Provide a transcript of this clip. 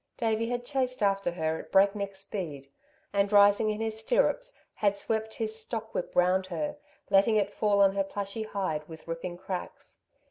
Davey had chased after her at breakneck speed, and, rising in his stirrups, had swept his stock whip round her, letting it fall on her plushy hide with ripping cracks.